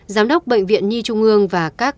giám đốc bệnh viện nhi trung ương và các